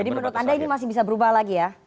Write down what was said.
jadi menurut anda ini masih bisa berubah lagi ya